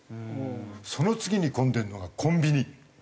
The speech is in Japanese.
その次に混んでるのがコンビニ。